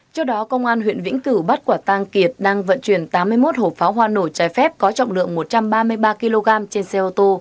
trước đó công an huyện vĩnh cửu bắt quả tang kiệt đang vận chuyển tám mươi một hộp pháo hoa nổi trái phép có trọng lượng một trăm ba mươi ba kg trên xe ô tô